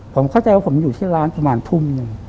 ผมเข้าใจว่าผมอยู่ที่ร้านประมาณทุ่มหนึ่ง